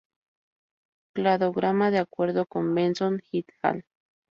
Cladograma de acuerdo con Benson "et al.